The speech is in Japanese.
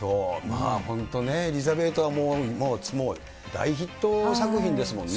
本当、エリザベートはもう大ヒット作品ですもんね。